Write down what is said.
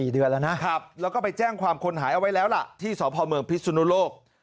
๔เดือนแล้วนะครับแล้วก็ไปแจ้งความคนหายเอาไว้แล้วล่ะที่สพพฤศนโลก